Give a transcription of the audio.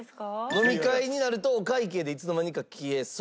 飲み会になるとお会計でいつの間にか消えそう。